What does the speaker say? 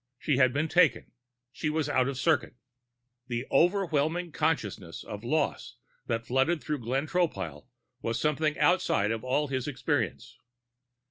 She had been taken. She was out of circuit. The overwhelming consciousness of loss that flooded through Glenn Tropile was something outside of all his experience.